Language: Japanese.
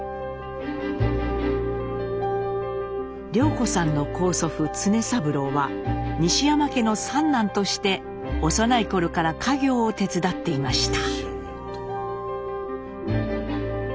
涼子さんの高祖父常三郎は西山家の三男として幼い頃から家業を手伝っていました。